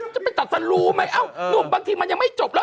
จะไปตัดสรูไหมเอ้าหนุ่มบางทีมันยังไม่จบแล้ว